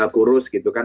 kurus gitu kan